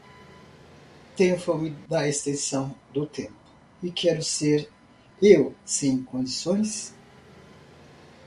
Tenho fome da extensão do tempo, e quero ser eu sem condições.